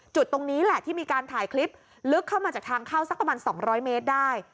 จุดตรงนี้แหละที่มีการถ่ายคลิปลึกเข้ามาจากทางเข้าสักประมาณ๒๐๐เมตรได้